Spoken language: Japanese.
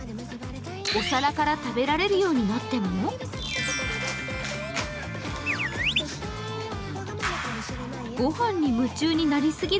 お皿から食べられるようになってもご飯に夢中になりすぎる